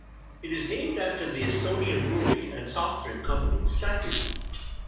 It is named after the Estonian brewery and soft drink company Saku.